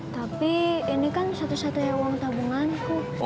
tapi ini kan satu satunya uang tabungan